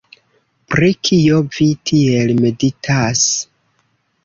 Pri kio vi tiel meditas?